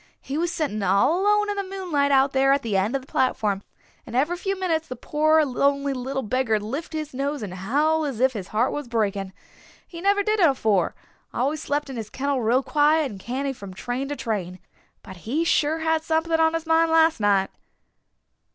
He was sitting all alone in the moonlight out there at the end of the platform, and every few minutes the poor lonely little beggar'd lift his nose and howl as if his heart was breaking. He never did it afore always slept in his kennel real quiet and canny from train to train. But he sure had something on his mind last night."